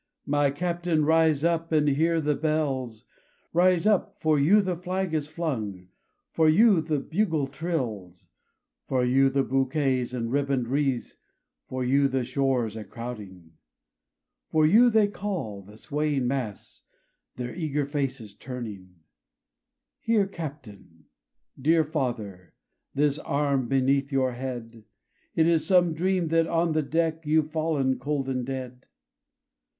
my Captain! rise up and hear the bells; Rise up for you the flag is flung for you the bugle trills, For you bouquets and ribbon'd wreaths for you the shores a crowding, For you they call, the swaying mass, their eager faces turn ing; Here, Captain! dear father! This arm beneath your head! It is some dream that on the deck You've fallen cold and dead.